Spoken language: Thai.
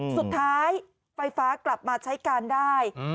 สุดท้ายไฟฟ้ากลับมาใช้การได้